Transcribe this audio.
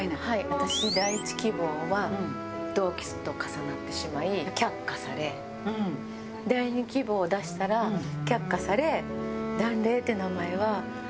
私第１希望は同期と重なってしまい却下され第２希望を出したら却下され。